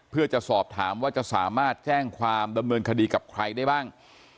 เพื่อจะสอบถามว่าจะสามารถแจ้งความดำเนินคดีกับใครได้บ้าง